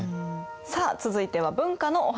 さあ続いては文化のお話！